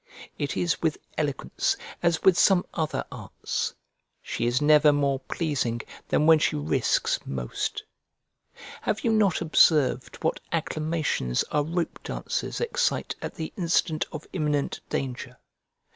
It is with eloquence as with some other arts; she is never more pleasing than when she risks most. Have you not observed what acclamations our rope dancers excite at the instant of imminent danger?